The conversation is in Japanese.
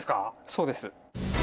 そうです。